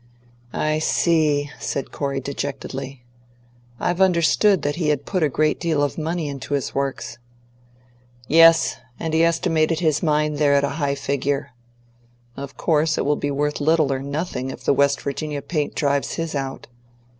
"I see," said Corey dejectedly. "I've understood that he had put a great deal of money into his Works." "Yes, and he estimated his mine there at a high figure. Of course it will be worth little or nothing if the West Virginia paint drives his out.